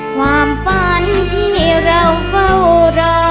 ความฝันที่เราเฝ้ารอ